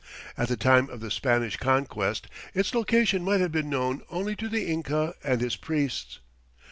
At the time of the Spanish Conquest its location might have been known only to the Inca and his priests.